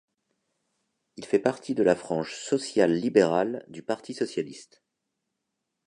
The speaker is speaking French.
Il fait partie de la frange sociale-libérale du Parti socialiste.